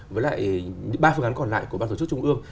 với lại ba phương án còn lại của ban tổ chức trung ương